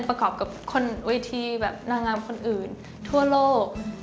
ประกอบกับคนเวทีแบบนางงามคนอื่นทั่วโลก